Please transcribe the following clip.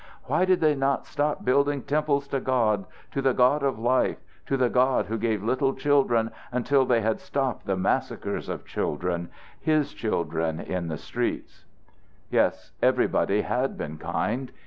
Why did they not stop building temples to God, to the God of life, to the God who gave little children, until they had stopped the massacre of children, His children in the streets! Yes; everybody had been kind.